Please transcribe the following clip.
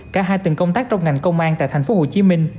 cả hai từng công tác trong ngành công an tại tp hcm